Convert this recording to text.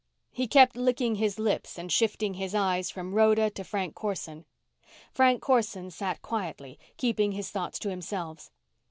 He kept licking his lips and shifting his eyes from Rhoda to Frank Corson. Frank Corson sat quietly, keeping his thoughts to himself.